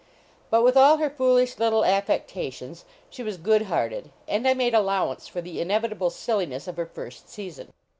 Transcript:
But with all her foolish little affectations, she was good hearted, and I made allowance for the inevitable silliness of her first season.